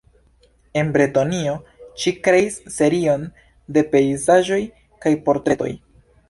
En Bretonio ŝi kreis serion de pejzaĝoj kaj portretoj.